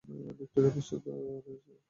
Victoria প্রস্তুত রয়েছে।